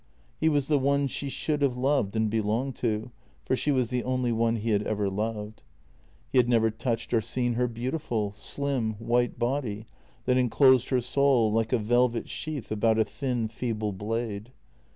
He was the one she should have loved and belonged to, for she was the only one he had ever loved. He had never touched or seen her beautiful, slim, white body that enclosed her soul like a velvet sheath about a thin, feeble blade.